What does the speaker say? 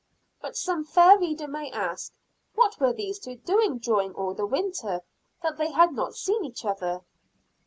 But some fair reader may ask, "What were these two doing during all the winter, that they had not seen each other?"